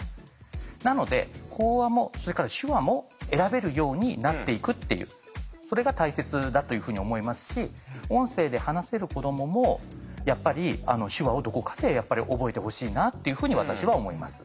なので口話もそれから手話も選べるようになっていくっていうそれが大切だというふうに思いますし音声で話せる子どももやっぱり手話をどこかでやっぱり覚えてほしいなというふうに私は思います。